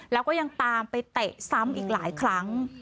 แล้วก็ยังตามไปเตะซ้ำอีกหลายครั้ง